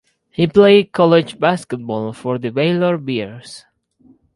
He played college basketball for the Baylor Bears.